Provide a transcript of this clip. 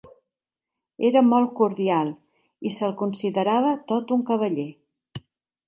Era molt cordial i se'l considerava tot un cavaller.